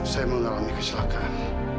saya mengalami kecelakaan